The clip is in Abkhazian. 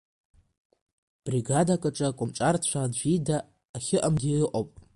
Бригадак аҿы акомҿарцәа аӡә ида ахьыҟамгьы ыҟоуп…